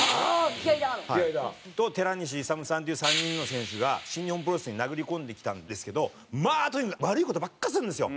「気合だー！」の？と寺西勇さんっていう３人の選手が新日本プロレスに殴り込んできたんですけどまあとにかく悪い事ばっかりするんですよ。